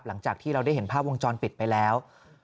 หลังจากที่เราได้เห็นภาพวงจรปิดไปแล้ว